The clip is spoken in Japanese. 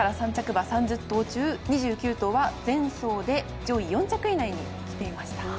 馬３０頭中２９頭は前走で上位４着以内にきていました。